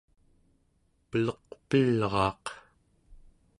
peleqpelraaq